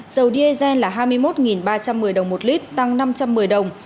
dầu diesel là hai mươi một ba trăm một mươi đồng một lít tăng năm trăm một mươi đồng